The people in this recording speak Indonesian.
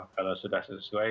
kalau sudah sesuai